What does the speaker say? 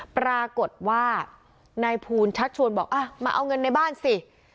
ปรากฏว่านายภูลชักชวนบอกมาเอาเงินในบ้านสิ